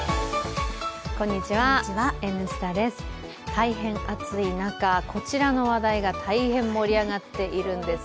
大変暑い中、こちらの話題が大変盛り上がっているんです。